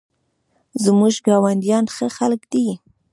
زموږ ګاونډیان ښه خلک دي